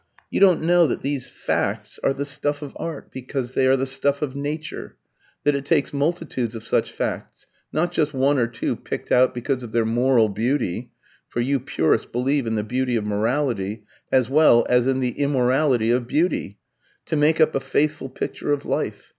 You don't know that these facts are the stuff of art, because they are the stuff of nature; that it takes multitudes of such facts, not just one or two picked out because of their 'moral beauty' for you purists believe in the beauty of morality as well as in the immorality of beauty to make up a faithful picture of life.